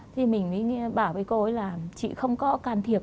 thì mình mới bảo với cô ấy là chị không có can thiệp